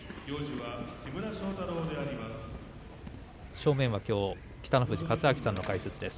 正面は、きょう北の富士勝昭さんの解説です。